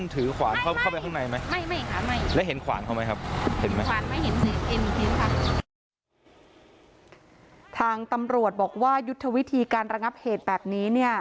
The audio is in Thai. ทางตำรวจบอกว่ายุทธวิธีการระงับเหตุแบบนี้เนี่ย